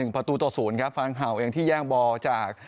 ๑ประตูต่อศูนย์ครับฟางเขาร์เองที่แยกบอลจาก